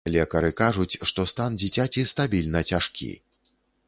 Лекары кажуць, што стан дзіцяці стабільна цяжкі.